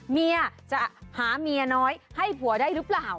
เมียจะหาเมียน้อยให้ผัวได้หรือเปล่า